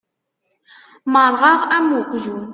Merrɣeɣ am uqjun.